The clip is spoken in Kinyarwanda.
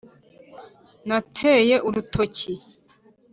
nateye urutoki